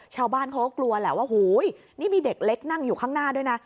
ชาวบ้านเขาก็กลัวแหละว่าหูยนี่มีเด็กเล็กนั่งอยู่ข้างหน้าด้วยนะ